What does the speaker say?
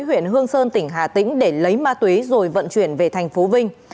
huyện hương sơn tỉnh hà tĩnh để lấy ma túy rồi vận chuyển về tp vinh